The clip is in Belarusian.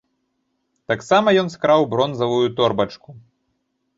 Таксама ён скраў бронзавую торбачку.